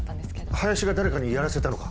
林が誰かにやらせたのか？